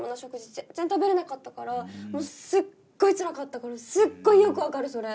全然食べれなかったからもうすっごいつらかったからすっごいよく分かるそれ！